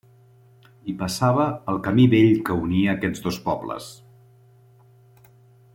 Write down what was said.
Hi passava el camí vell que unia aquests dos pobles.